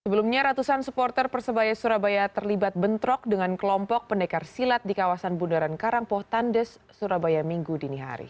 sebelumnya ratusan supporter persebaya surabaya terlibat bentrok dengan kelompok pendekar silat di kawasan bundaran karangpoh tandes surabaya minggu dini hari